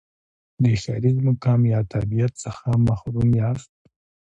د ښاریز مقام یا تابعیت څخه محروم یاست.